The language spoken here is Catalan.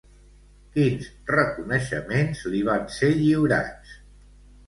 Quins reconeixements li van ser lliurats?